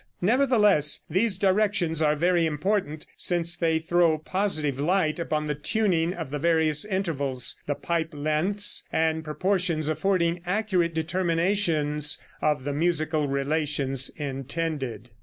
Nevertheless, these directions are very important, since they throw positive light upon the tuning of the various intervals, the pipe lengths and proportions affording accurate determinations of the musical relations intended.